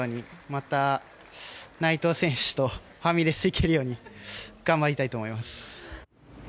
また内藤選手とファミレス行けるように頑張りたいと思います。